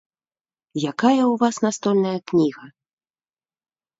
Якая ў вас настольная кніга?